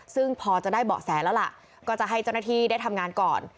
ซึ่งพอจะได้เบาะแสแล้วล่ะก็จะให้เจ้าหน้าที่ได้ทำงานก่อน